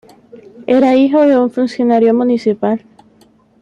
Era hijo de un funcionario municipal.